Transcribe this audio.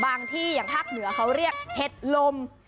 ที่อย่างภาคเหนือเขาเรียกเห็ดลม